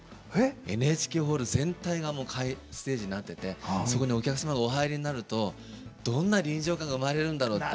ＮＨＫホール全体がステージになっててそこにお客様がお入りになるとどんな臨場感が生まれるんだろうって。